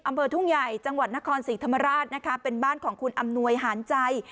อำเภอทุ่งใหญ่จังหวัดนครศรีธรรมราชนะคะเป็นบ้านของคุณอำนวยหาญใจ